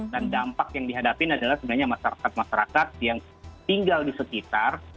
dan dampak yang dihadapin adalah sebenarnya masyarakat masyarakat yang tinggal di sekitar